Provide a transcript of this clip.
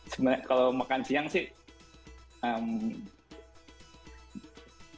sebenarnya kalau makan siang sih